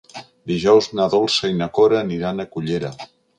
Dijous na Dolça i na Cora aniran a Cullera.